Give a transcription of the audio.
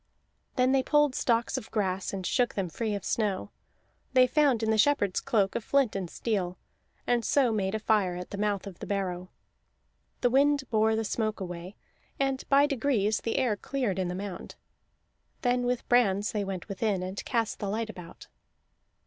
Then they pulled stalks of grass and shook them free of snow; they found in the shepherd's cloak a flint and steel, and so made a fire at the mouth of the barrow. The wind bore the smoke away, and by degrees the air cleared in the mound. Then with brands they went within, and cast the light about.